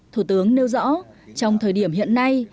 thủ tướng nêu rõ trong thời điểm hiện nay